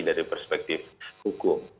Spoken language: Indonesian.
dari perspektif hukum